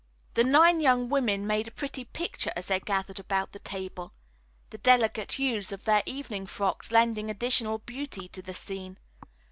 The nine young women made a pretty picture as they gathered about the table, the delicate hues of their evening frocks lending additional beauty to the scene.